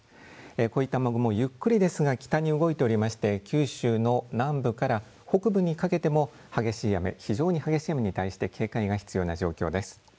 こういった雨雲ゆっくりですが北に動いておりまして九州の南部から北部にかけても激しい雨、非常に激しい雨に対して警戒が必要な状況です。